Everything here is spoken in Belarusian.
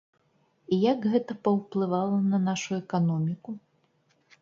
І як гэта паўплывала на нашу эканоміку?